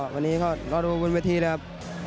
วันนี้ก็รอดูบนเวทีนะครับ